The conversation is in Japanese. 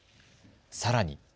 さらに。